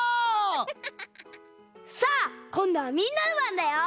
さあこんどはみんなのばんだよ！